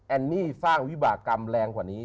อันนี้สร้างวิบากรรมแรงกว่านี้